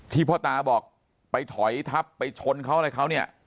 พ่อตาบอกไปถอยทับไปชนเขาอะไรเขาเนี่ย